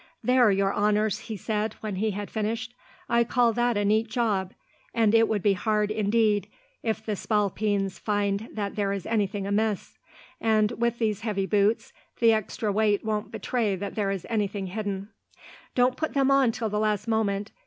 "There, your honours," he said, when he had finished. "I call that a neat job, and it would be hard, indeed, if the spalpeens find that there is anything amiss. And, with these heavy boots, the extra weight won't betray that there is anything hidden. "Don't put them on till the last moment.